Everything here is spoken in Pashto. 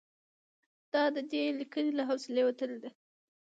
دا د دې لیکنې له حوصلې وتلي دي.